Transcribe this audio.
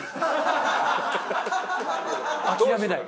諦めない。